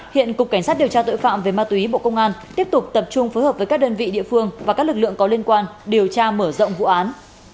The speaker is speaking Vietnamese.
hiện cục cảnh sát điều tra tội phạm về ma túy bộ công an tiếp tục tập trung phối hợp với các đơn vị địa phương và các lực lượng có liên quan điều tra mở rộng vụ án